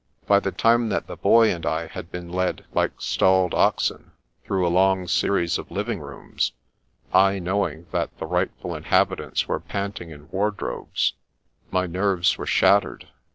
By the time that the Boy and I had been led, like stalled oxen, through a long series of living rooms, I knowing that the rightful inhabitants were pant ing in wardrobes, my nerves were shattered.